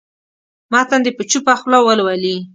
متن دې په چوپه خوله ولولي.